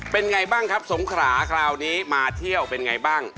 เป็นอย่างไรบ้างครับสองขลาคราวนี้มาเที่ยวเป็นอย่างไรบ้าง